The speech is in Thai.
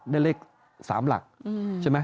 ได้เลข๓หลักใช่ไหม